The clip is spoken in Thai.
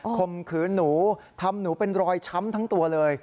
ข่มขืนหนูทำหนูเป็นรอยช้ำทั้งตัวเลย